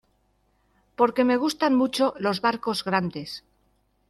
porque me gustan mucho los barcos grandes.